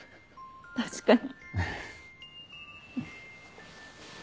確かに。